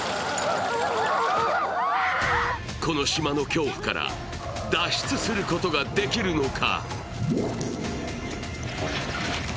この島の恐怖から脱出することがてきるのか。